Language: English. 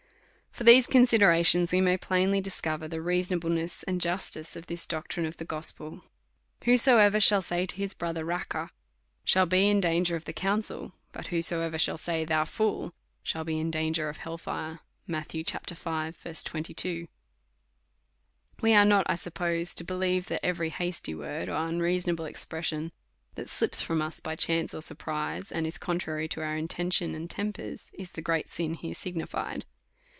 From these considerations we may plainly discover the reasonableness and justice of this doctrine of the Gospel, Whosoever shall say unto his brother, Raca, shall be in danger of the council ; but ivhosoever shall saj/, Thou fool, shall be in danger of hell f re, Matt. V. 22. We are not, I suppose, to believe that every hasty word, or unreasonable expression that slips from us by chance or surprise, and is contrary to our intention and tempers, is the great sin here signi fied.